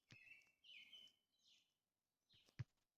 kuchi boricha tepalikka qochdi.